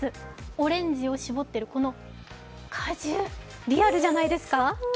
オレンジを搾っているこの果汁リアルじゃないですか。